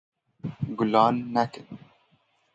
gulan ne kin.